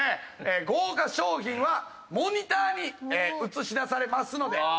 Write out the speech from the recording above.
豪華賞品はモニターに映し出されますので。